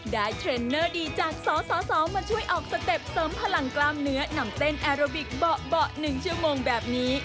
เทรนเนอร์ดีจากสสมาช่วยออกสเต็ปเสริมพลังกล้ามเนื้อนำเต้นแอโรบิกเบาะ๑ชั่วโมงแบบนี้